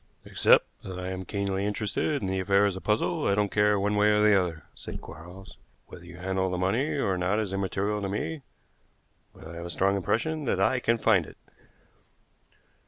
"Except that I am keenly interested in the affair as a puzzle, I don't care one way or the other," said Quarles. "Whether you handle the money or not is immaterial to me, but I have a strong impression that I can find it."